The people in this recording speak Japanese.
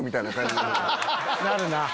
なるなぁ。